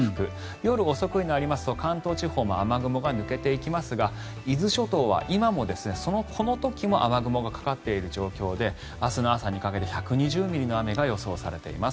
夜遅くになりますと関東地方も雨雲が抜けていきますが伊豆諸島は今も、この時も雨雲がかかっている状況で明日の朝にかけて１２０ミリの雨が予想されています。